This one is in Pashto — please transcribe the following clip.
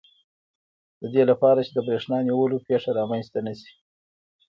د دې لپاره چې د بریښنا نیولو پېښه رامنځته نه شي.